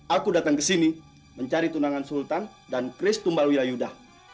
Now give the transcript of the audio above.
aku datang kesini mencari tunangan sultan dan kristumbalwila yudha